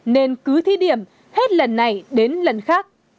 nên cứ thí điểm hết lần này đến lần khác